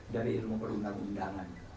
dari ilmu perundang undangan